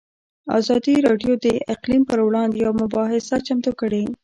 ازادي راډیو د اقلیم پر وړاندې یوه مباحثه چمتو کړې.